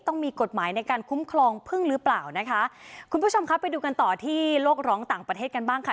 ต้องมีกฎหมายในการคุ้มครองพึ่งหรือเปล่านะคะคุณผู้ชมครับไปดูกันต่อที่โลกร้องต่างประเทศกันบ้างค่ะ